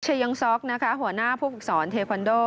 เชยังซอกหัวหน้าผู้ฝึกสอนเทควันโด